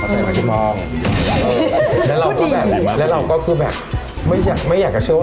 ใจเราจะมองแล้วเราก็แบบแล้วเราก็คือแบบไม่อยากไม่อยากจะเชื่อว่า